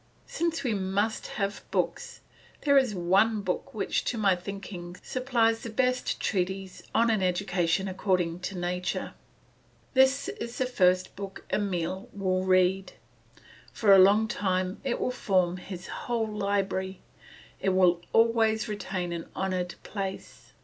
Since we must have books, there is one book which, to my thinking, supplies the best treatise on an education according to nature. This is the first book Emile will read; for a long time it will form his whole library, and it will always retain an honoured place.